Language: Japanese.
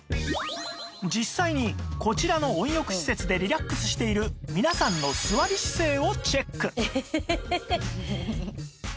実際にこちらの温浴施設でリラックスしている皆さんの座り姿勢をチェック！